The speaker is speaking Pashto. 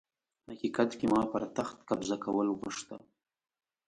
حقيقت کي ما پر تخت قبضه کول غوښته